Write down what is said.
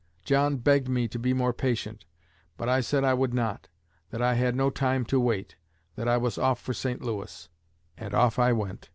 John begged me to be more patient, but I said I would not; that I had no time to wait, that I was off for St. Louis; and off I went."